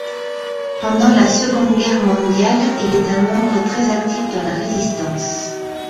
Pendant la seconde guerre mondiale, il est un membre très actif dans la Résistance.